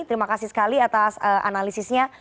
terima kasih sekali atas analisisnya